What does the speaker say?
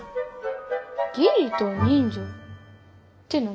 義理と人情って何？